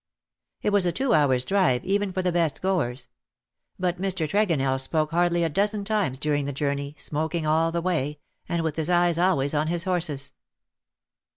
It was a two hours^ drive even for the best goers ; but Mr. Tregonell spoke hardly a dozen times during the journey, smoking all the way, and with his eyes always on his horses.